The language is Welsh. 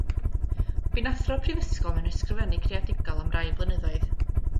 Bu'n athro prifysgol mewn ysgrifennu creadigol am rai blynyddoedd.